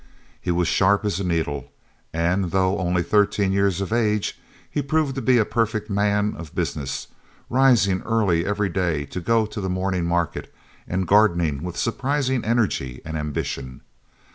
He was as sharp as a needle, and, though only thirteen years of age, he proved to be a perfect "man" of business, rising early every day to go to the morning market and gardening with surprising energy and ambition.